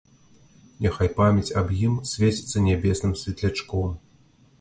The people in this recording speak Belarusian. Няхай памяць аб ім свеціцца нябесным светлячком.